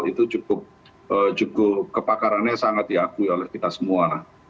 itu cukup kepakarannya sangat diakui oleh kita semua